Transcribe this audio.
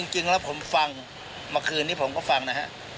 จริงแล้วผมฟังเมื่อคืนนี้ผมก็ฟังนะฮะ